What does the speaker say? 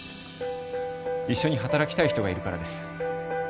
一緒に働きたい人がいるからです